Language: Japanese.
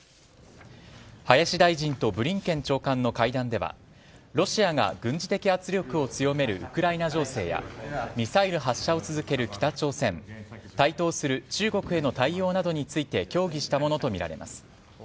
林大臣とブリンケン長官の会談ではロシアが軍事的圧力を強めるウクライナ情勢やミサイル発射を続ける北朝鮮台頭する中国への対応などについて協議したものとみられます。